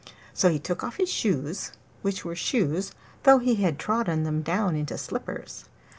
So he took off his shoes, which were shoes though he had trodden them down into slippers.